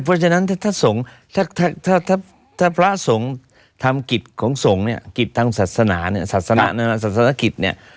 เพราะฉะนั้นถ้าสงฆ์ถ้าถ้าพระสงฆ์ทำกิจของสงฆ์เนี่ยกิจทางศาสนาเนี่ยศาสนกิจเนี่ย